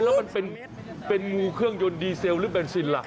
แล้วมันเป็นงูเครื่องยนต์ดีเซลหรือเบนซินล่ะ